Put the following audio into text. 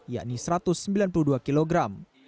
yakni satu ratus sembilan puluh dua kilogram